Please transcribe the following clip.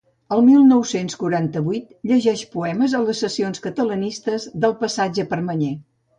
El mil nou-cents quaranta-vuit llegeix poemes a les sessions catalanistes del Passatge Permanyer.